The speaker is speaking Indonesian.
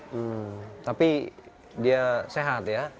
hmm tapi dia sehat ya